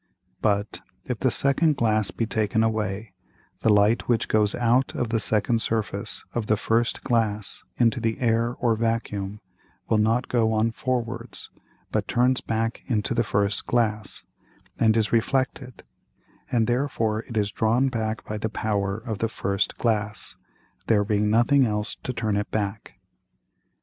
But, if the second Glass be taken away, the Light which goes out of the second Surface of the first Glass into the Air or Vacuum, will not go on forwards, but turns back into the first Glass, and is reflected; and therefore it is drawn back by the Power of the first Glass, there being nothing else to turn it back.